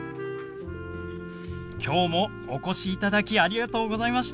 今日もお越しいただきありがとうございました。